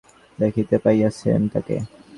উপর হইতে ললিতা বিনয়কে দেখিতে পাইয়াছিল।